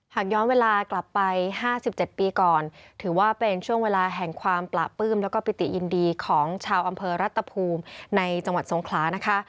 หากย้อนเวลากลับไป๕๗ปีก่อนถือว่าเป็นช่วงเวลาแห่งความประปื้มแล้วก็ปิติยินดีของชาวอำเภอรัตภูมิในจังหวัดสงขลานะคะ